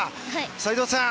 斎藤さん